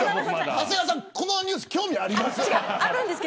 長谷川さん、このニュース興味あります。